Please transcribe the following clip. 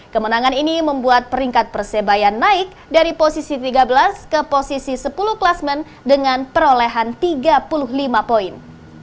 kemenangan ini membuat peringkat persebaya naik dari posisi tiga belas ke posisi sepuluh klasmen dengan perolehan tiga puluh lima poin